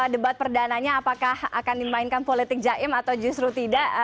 debat perdananya apakah akan dimainkan politik jaim atau justru tidak